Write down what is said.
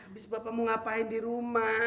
habis bapak mau ngapain di rumah